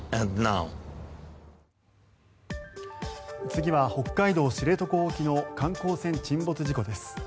次は北海道・知床沖の観光船沈没事故です。